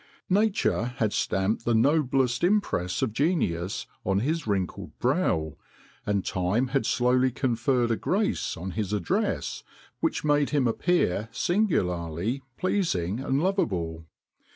Nature had stamped the noblest impress of genius on his wrinkled brow, and time had slowly conferred a grace on his address which made him appear singularly pleasing and lovable.